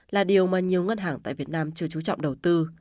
là điều mà nhiều ngân hàng tại việt nam chưa trú trọng đầu tư